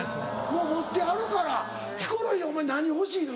もう持ってはるからヒコロヒーお前何欲しいの？